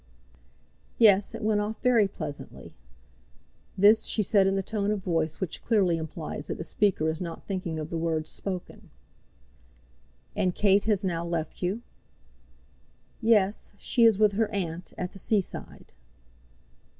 "Yes; it went off very pleasantly." This she said in that tone of voice which clearly implies that the speaker is not thinking of the words spoken. "And Kate has now left you?" "Yes; she is with her aunt, at the seaside."